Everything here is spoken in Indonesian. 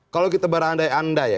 kalau kita berandai andai ya